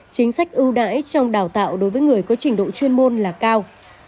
chính sách ưu đãi trong đào tạo đối với người có trình độ chuyên môn là cao